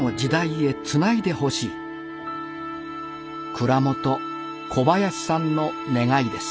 蔵元小林さんの願いです。